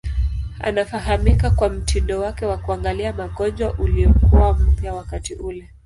Anafahamika kwa mtindo wake wa kuangalia magonjwa uliokuwa mpya wakati ule.